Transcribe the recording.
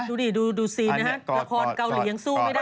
ดูดิดูสินะฮะละครเกาหลียังสู้ไม่ได้